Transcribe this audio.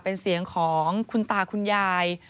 เป็นเสียงของคุณตาคุณยาย